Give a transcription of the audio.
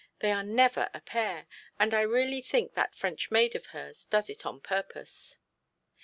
They are never a pair, and I really think that French maid of hers does it on purpose.